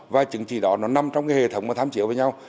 và chứng trí đó nó nằm trong cái hệ thống tham chiếu với nhau